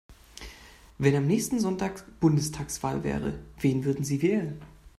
Wenn am nächsten Sonntag Bundestagswahl wäre, wen würden Sie wählen?